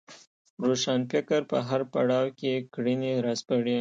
روښانفکر په هر پړاو کې کړنې راسپړي